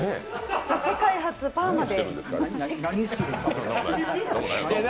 世界初パーマで。